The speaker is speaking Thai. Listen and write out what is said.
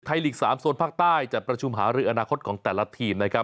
ไทยหลีก๓โซนภาคใต้จัดประชุมหารึอาณาคตของแต่ละทีม